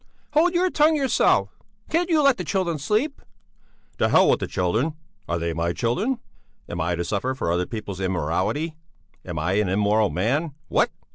"Hold your tongue yourself! Can't you let the children sleep?" "To hell with the children! Are they my children? Am I to suffer for other people's immorality? Am I an immoral man? What?